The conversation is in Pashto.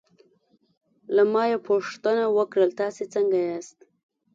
له ما یې پوښتنه وکړل: تاسې څنګه یاست؟